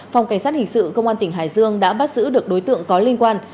phòng cảnh sát hình sự công an tỉnh hải dương đã bắt giữ được đối tượng có liên quan